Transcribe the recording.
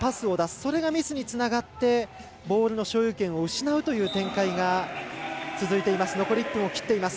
それがミスにつながってボールの所有権を失うという展開が続いています。